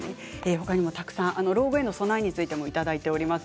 ほかにも老後の備えについてもいただいています。